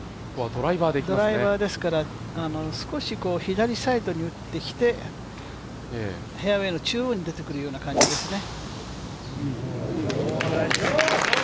ドライバーですから、少し左サイドに打って、フェアウエーの中央に出てくる感じですね。